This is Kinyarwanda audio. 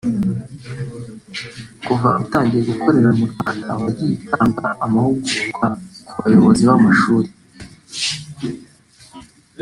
Kuva utangiye gukorera mu Rwanda wagiye utanga amahugurwa ku bayobozi b’amashuri